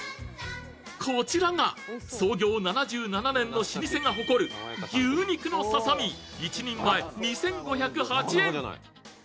こちらが創業７７年の老舗が誇る牛肉のササミ１人前２５０８円。